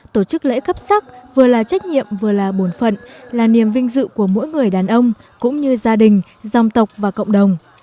tổ chức lễ cấp sắc vừa là trách nhiệm vừa là bổn phận là niềm vinh dự của mỗi người đàn ông cũng như gia đình dòng tộc và cộng đồng